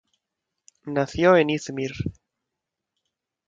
Nació en İzmir.